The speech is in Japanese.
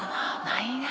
ないな